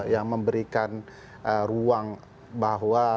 yang memberikan ruang bahwa